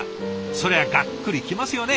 そりゃがっくり来ますよね。